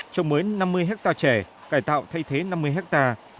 trồng mới năm mươi hectare trẻ cải tạo thay thế năm mươi hectare